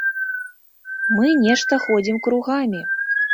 Мы нешта ходзім кругамі.